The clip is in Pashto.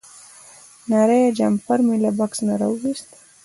نری جمپر مې له بکس نه راوویست.